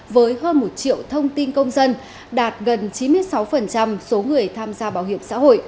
với hơn một triệu thông tin công dân đạt gần chín mươi sáu số người tham gia bảo hiểm xã hội